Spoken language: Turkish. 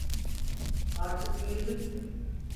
Artık büyüdüm.